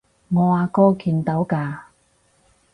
我阿哥見到㗎